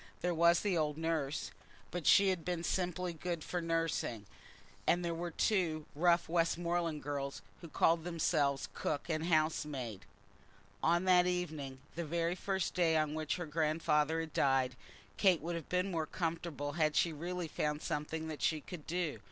There was the old nurse, but she had been simply good for nursing, and there were two rough Westmoreland girls who called themselves cook and housemaid. On that first evening, the very day on which her grandfather had died, Kate would have been more comfortable had she really found something that she could do.